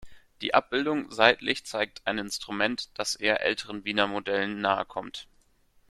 Die Abbildung seitlich zeigt ein Instrument, das eher älteren Wiener Modellen nahekommt.